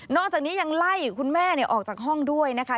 จากนี้ยังไล่คุณแม่ออกจากห้องด้วยนะคะ